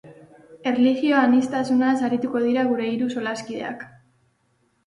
Erlijio aniztasunaz arituko dira gure hiru solaskideak.